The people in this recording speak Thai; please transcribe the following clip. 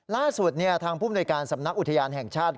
ล่าสุดทางผู้บริการสำนักอุทยานแห่งชาติ